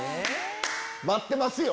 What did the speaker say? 待ってますよ